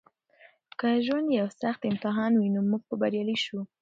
که ژوند یو سخت امتحان وي نو موږ به بریالي شو.